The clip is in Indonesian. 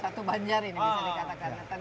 satu banjar ini bisa dikatakan